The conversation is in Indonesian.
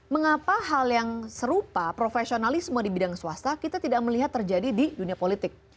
mengapa hal yang serupa profesionalisme di bidang swasta kita tidak melihat terjadi di dunia politik